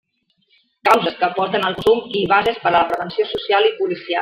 Causes que porten al consum i bases per a la prevenció social i policial.